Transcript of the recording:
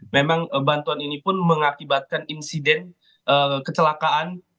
memang bantuan ini pun mengakibatkan insiden kecelakaan